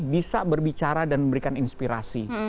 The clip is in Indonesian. bisa berbicara dan memberikan inspirasi